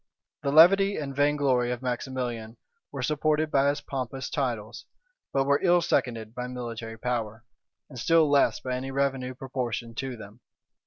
The levity and vain glory of Maximilian were supported by his pompous titles; but were ill seconded by military power, and still less by any revenue proportioned to them.